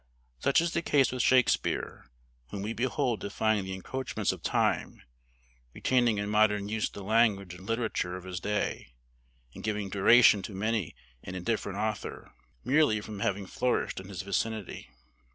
Such is the case with Shakespeare, whom we behold defying the encroachments of time, retaining in modern use the language and literature of his day, and giving duration to many an indifferent author, merely from having flourished in his vicinity.